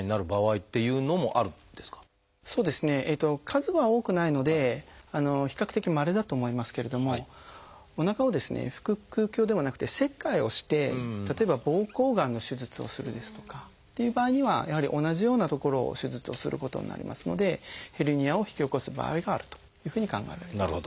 数は多くないので比較的まれだと思いますけれどもおなかをですね腹腔鏡ではなくて切開をして例えば膀胱がんの手術をするですとかっていう場合にはやはり同じような所を手術をすることになりますのでヘルニアを引き起こす場合があるというふうに考えられています。